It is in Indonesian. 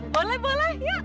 boleh boleh yuk